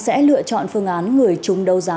sẽ lựa chọn phương án người chung đấu giá